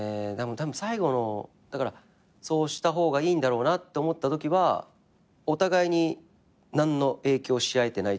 たぶん最後のだからそうした方がいいんだろうなって思ったときはお互いに何の影響し合えてないというか。